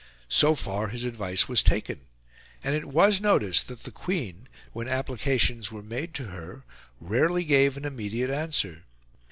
So far, his advice was taken; and it was noticed that the Queen, when applications were made to her, rarely gave an immediate answer.